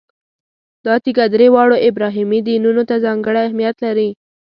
دا تیږه درې واړو ابراهیمي دینونو ته ځانګړی اهمیت لري.